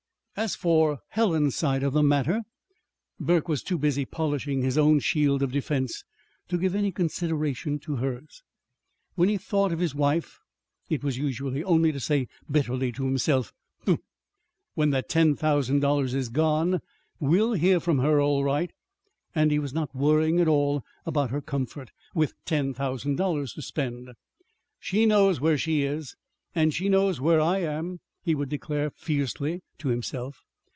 As for Helen's side of the matter Burke was too busy polishing his own shield of defense to give any consideration to hers. When he thought of his wife, it was usually only to say bitterly to himself: "Humph! When that ten thousand dollars is gone we'll hear from her all right!" And he was not worrying at all about her comfort with ten thousand dollars to spend. "She knows where she is, and she knows where I am," he would declare fiercely to himself.